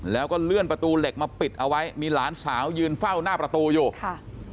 แล้วก็เลื่อนประตูเหล็กมาปิดเอาไว้มีหลานสาวยืนเฝ้าหน้าประตูอยู่ค่ะ